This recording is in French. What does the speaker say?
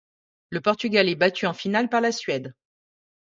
Le Portugal est battu en finale par la Suède.